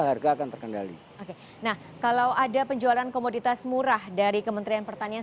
harga akan terkendali oke nah kalau ada penjualan komoditas murah dari kementerian pertanian